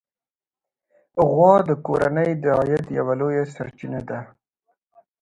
غوا د کورنۍ د عاید یوه لویه سرچینه ده.